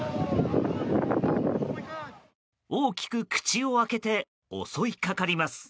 大きく口を開けて襲いかかります。